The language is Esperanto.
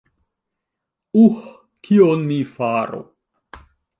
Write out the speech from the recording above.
Uh... kion mi faru?